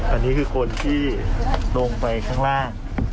อันนี้คือคนที่ลงไปข้างล่าง